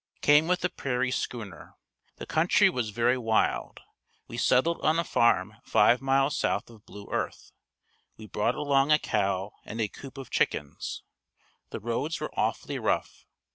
Came with a prairie schooner. The country was very wild. We settled on a farm five miles south of Blue Earth. We brought along a cow and a coop of chickens. The roads were awfully rough.